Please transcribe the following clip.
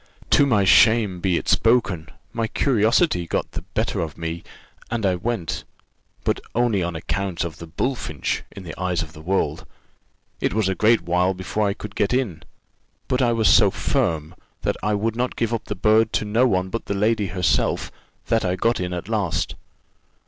"To my shame be it spoken; my curiosity got the better of me, and I went but only on account of the bullfinch in the eyes of the world. It was a great while before I could get in: but I was so firm, that I would not give up the bird to no one but the lady herself, that I got in at last.